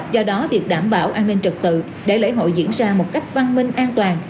do đó việc đảm bảo an ninh trật tự để lễ hội diễn ra một cách văn minh an toàn